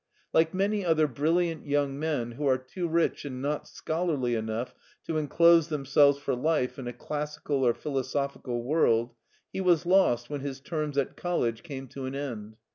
Like many other brilliant young men who are too rich and not scholarly enough to enclose themselves for life in a classical or philosophical world, he was lost when his terms at college came to an end.